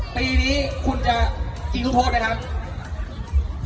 ปีนี้คุณจะยิงลูกโทษไหมครับ